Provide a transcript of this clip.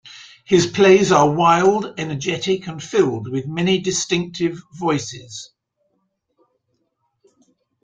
His plays are wild, energetic, and filled with many distinctive voices.